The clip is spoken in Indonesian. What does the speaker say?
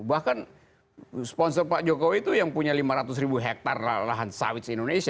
bahkan sponsor pak jokowi itu yang punya lima ratus ribu hektare lahan sawit di indonesia